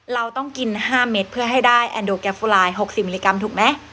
เราต้องกิน๕เม็ดเพื่อให้ได้แอนโดแกฟูไลน์๖๐มิลลิกรัมถูกไหม